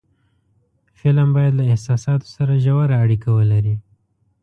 فلم باید له احساساتو سره ژور اړیکه ولري